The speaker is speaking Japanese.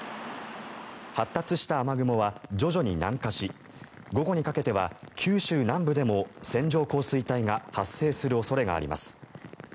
発達した雨雲は徐々に南下し午後にかけては九州南部でも線状降水帯が発生する恐れがあります。